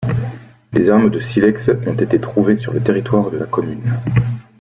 Des armes de silex ont été trouvées sur le territoire de la commune.